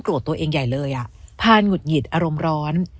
ตัวเองใหญ่เลยอ่ะพานหงุดหงิดอารมณ์ร้อน